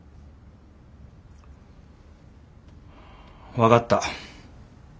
分かった。